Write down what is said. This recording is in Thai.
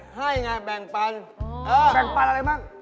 ให้ไงแบ่งปันแบ่งปันอะไรมั่ง